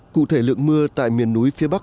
cụ thể lượng mưa tại miền núi phía bắc